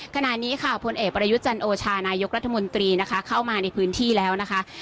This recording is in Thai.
ขณะนี้ค่ะอเอกปรยุจันโอชานายกรัฐมนตรีเข้ามาในพื้นที่แล้ว